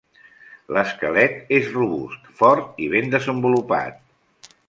L'esquelet és robust, fort i ben desenvolupat.